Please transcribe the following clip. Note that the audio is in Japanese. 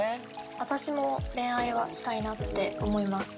私も恋愛はしたいなって思います。